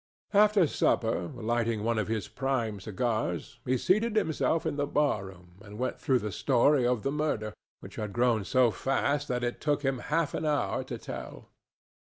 After supper, lighting one of his prime cigars, he seated himself in the bar room and went through the story of the murder, which had grown so fast that it took him half an hour to tell.